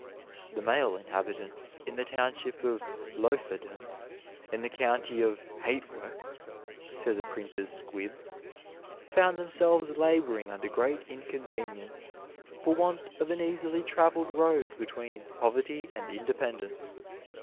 "The male inhabitants in the Township of Loaferdom, in the County of Hatework," says a printer's squib, "found themselves laboring under great inconvenience for want of an easily traveled road between Poverty and Independence.